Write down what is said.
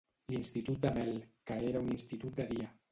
L'institut de Mel, que era un institut de dia.